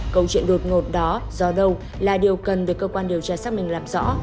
câu chuyện đột ngột đó do đâu là điều cần được cơ quan điều tra xác minh làm rõ